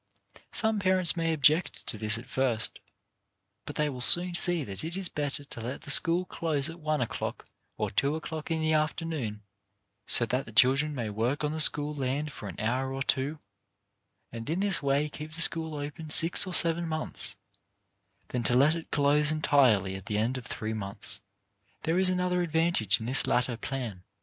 Some parents may object to this at first, but they will soon see that it is better to let the school close at one o'clock or two o'clock in the afternoon, so that the children may work on the school land for an hour or two, and in this way keep the school open six or seven months, than to let it close en tirely at the end of three months. There is an TO WOULD BE TEACHERS 185 other advantage in this latter plan.